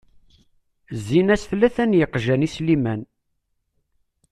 Zzin-as tlata n yeqjan i Sliman.